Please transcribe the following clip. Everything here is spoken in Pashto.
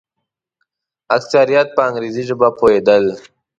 اکثریت په انګریزي ژبه پوهېدل.